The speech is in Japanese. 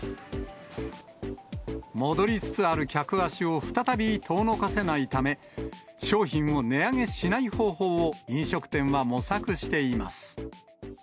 戻りつつある客足を再び遠のかせないため、商品を値上げしない方法を飲食店は模索しています。